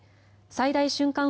最大瞬間